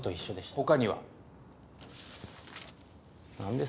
他には？なんです？